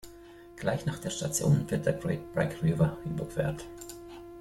Gleich nach der Station wird der Great Brak River überquert.